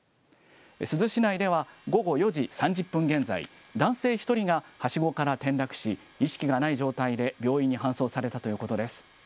珠洲市内では午後４時３０分現在、男性１人がはしごから転落し、意識がない状態で病院に搬送されたということです。